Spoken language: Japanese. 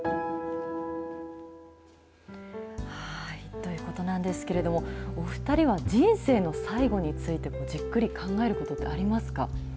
ということなんですけれどもお二人は人生の最期についてじっくり考えることってありますか。